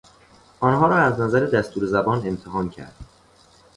آنها را از نظر دستور زبان امتحان کرد.